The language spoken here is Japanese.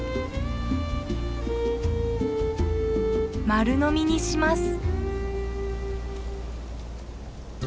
丸のみにします。